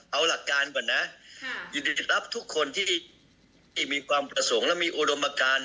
เอาหลักการก่อนนะยินดีจะรับทุกคนที่มีความประสงค์และมีอุดมการ